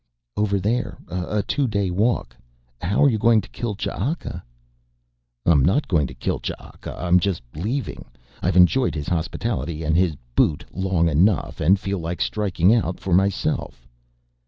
"Over there, a two day walk. How are you going to kill Ch'aka?" "I'm not going to kill Ch'aka, I'm just leaving. I've enjoyed his hospitality and his boot long enough and feel like striking out for myself."